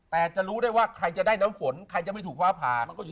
แต่จะรู้ได้ว่าใครจะได้น้ำฝนใครจะไม่ถูกฟ้าผ่า